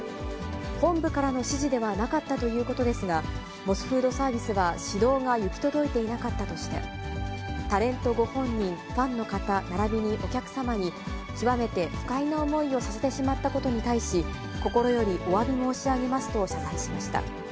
本部からの指示ではなかったということですが、モスフードサービスは指導が行き届いていなかったとして、タレントご本人、ファンの方、ならびにお客様に極めて不快な思いをさせてしまったことに対し、心よりおわび申し上げますと謝罪しました。